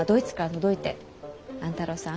万太郎さん